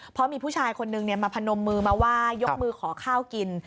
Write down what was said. เพราะมีผู้ชายคนนึงมาพนมมือมาไหว้ยกมือขอข้าวกิน